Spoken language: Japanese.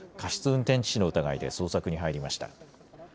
運転致死の疑いで捜索に入りました。